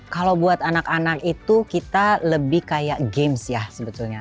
kalau buat anak anak itu kita lebih kayak games ya sebetulnya